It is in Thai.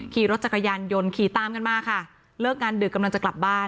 ขี่รถจักรยานยนต์ขี่ตามกันมาค่ะเลิกงานดึกกำลังจะกลับบ้าน